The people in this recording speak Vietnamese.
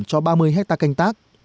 cho ba mươi hectare canh tác